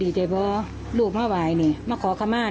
เขียนอีกแล้วค่ะมันมันว่าเห็นหน้ากุ้งสีมันบ่มาก